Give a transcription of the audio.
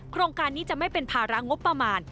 โครงการนี้จะไม่เป็นภาระงบประมาณ